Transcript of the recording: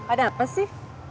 ada apa sih